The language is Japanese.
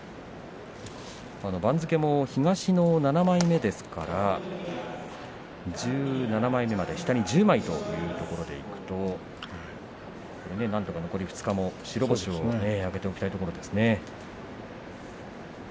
番付も東の７枚目ですから１７枚目まで下に１０枚というところまでいくとなんとか残り２日も白星を挙げておきたいところですね。